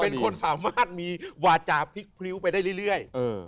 เป็นคนสามารถมีวาจาพลิกพริ้วไปได้เรื่อย